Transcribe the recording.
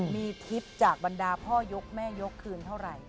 มีทิพย์จากบรรดาพ่อยกแม่ยกคืนเท่าไหร่